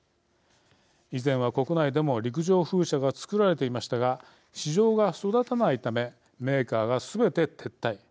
以前は、国内でも陸上風車が作られていましたが市場が育たないためメーカーがすべて撤退。